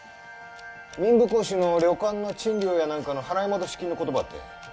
民部公子の旅館の賃料やなんかの払い戻し金のことばってん。